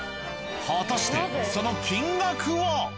果たしてその金額は？